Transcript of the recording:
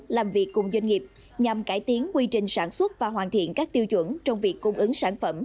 làm việc cùng doanh nghiệp nhằm cải tiến quy trình sản xuất và hoàn thiện các tiêu chuẩn trong việc cung ứng sản phẩm